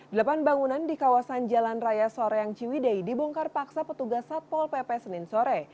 delapan bangunan di kawasan jalan raya soreang ciwidei dibongkar paksa petugas satpol pp senin sore